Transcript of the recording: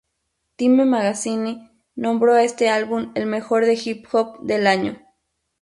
Time Magazine nombró a este álbum el mejor de hip hop del año.